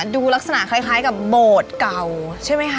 ดูลักษณะคล้ายกับโบสถ์เก่าใช่ไหมคะ